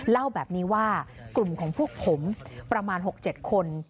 เล่าแบบนี้ว่ากลุ่มของพวกผมประมาณ๖๗คน